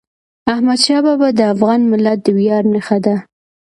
احمدشاه بابا د افغان ملت د ویاړ نښه ده.